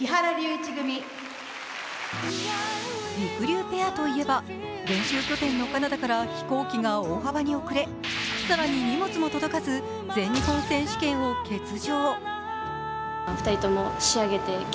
りくりゅうペアといえば練習拠点のカナダから飛行機が大幅に遅れ更に荷物も届かず全日本選手権を欠場。